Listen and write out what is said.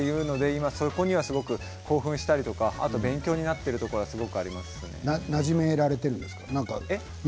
そこにはすごく興奮したりあと勉強になっているところもなじめているんですか？